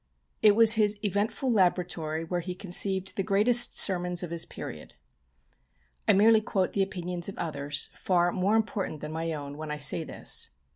It was his eventful laboratory where he conceived the greatest sermons of his period. I merely quote the opinions of others, far more important than my own, when I say this.